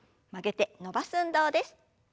曲げて伸ばす運動です。